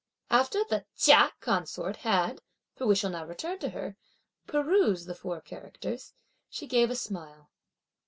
After the Chia consort had, for we shall now return to her, perused the four characters, she gave a smile.